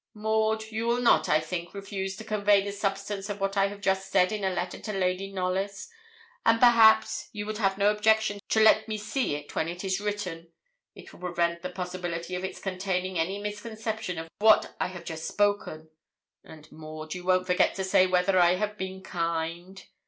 'Maud, you will not, I think, refuse to convey the substance of what I have just said in a letter to Lady Knollys, and perhaps you would have no objection to let me see it when it is written. It will prevent the possibility of its containing any misconception of what I have just spoken: and, Maud, you won't forget to say whether I have been kind.